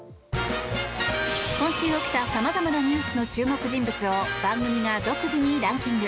今週起きた様々なニュースの注目人物を番組が独自にランキング。